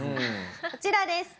こちらです。